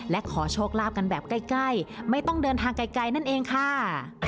และขอโชคลาภกันแบบใกล้ไม่ต้องเดินทางไกลนั่นเองค่ะ